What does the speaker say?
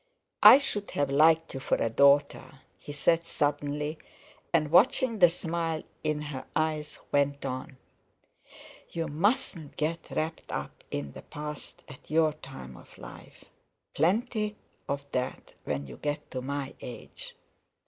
"I should have liked you for a daughter," he said suddenly; and watching the smile in her eyes, went on: "You mustn't get wrapped up in the past at your time of life; plenty of that when you get to my age.